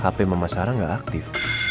hape mama sarah gak aktif